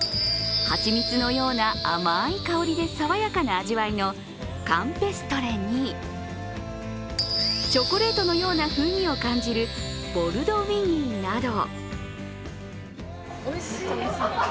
蜂蜜のような甘い香りで爽やかな味わいのカンペストレにチョコレートのような風味を感じるボルドウィニーなど。